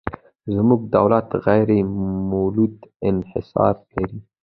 زموږ دولت غیر مولد انحصار لري.